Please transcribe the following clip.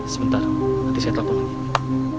sebentar nanti saya telepon lagi